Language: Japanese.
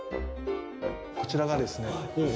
こちらがですね